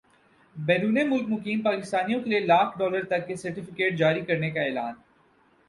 بیرون ملک مقیم پاکستانیوں کیلئے لاکھ ڈالر تک کے سرٹفکیٹ جاری کرنے کا اعلان